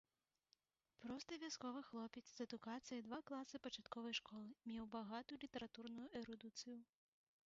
Просты вясковы хлопец з адукацыяй два класы пачатковай школы меў багатую літаратурную эрудыцыю.